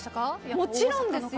もちろんですよ！